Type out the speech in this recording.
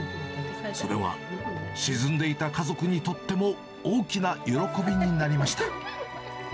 それは、沈んでいた家族にとっても大きな喜びになりました。